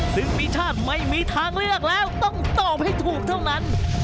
ซึ่งปีชาติไม่มีทางเลือกแล้วต้องตอบให้ถูกเท่านั้น